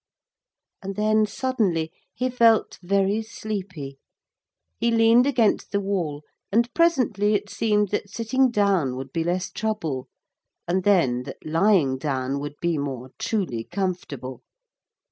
And then suddenly he felt very sleepy. He leaned against the wall, and presently it seemed that sitting down would be less trouble, and then that lying down would be more truly comfortable.